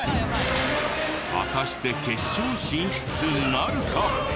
果たして決勝進出なるか？